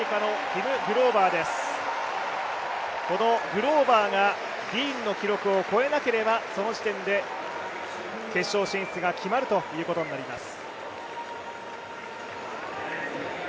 グローバーがディーンの記録を越えなければその時点で決勝進出が決まるということになります。